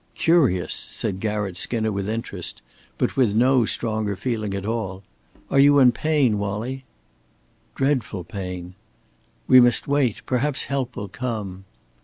"Curious," said Garratt Skinner with interest, but with no stronger feeling at all. "Are you in pain, Wallie?" "Dreadful pain." "We must wait. Perhaps help will come!"